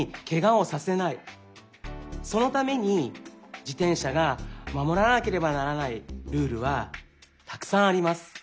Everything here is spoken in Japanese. そのために自転車がまもらなければならないルールはたくさんあります。